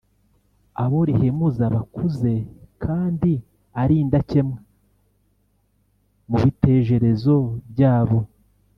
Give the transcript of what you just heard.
Abo rihemuza bakuze kandi ari indakemwa mu bitejerezo byabo